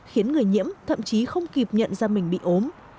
khiến người nhiễm thậm chí không kịp nhận ra mình bị ốm